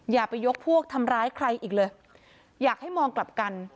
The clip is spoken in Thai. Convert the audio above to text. อย่าไปยกพวกทำร้ายใครอีกเลยอยากให้มองกลับกัน